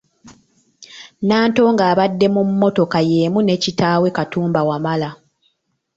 Nantongo abadde mu mmotoka yeemu ne kitaawe Katumba Wamala.